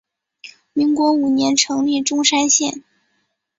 民国五年成立钟山县。